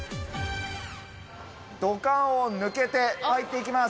土管を抜けて入っていきます。